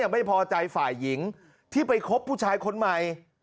ไม่พอใจฝ่ายหญิงที่ไปคบผู้ชายคนใหม่